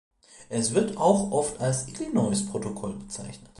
Es wird auch oft als Illinois-Protokoll bezeichnet.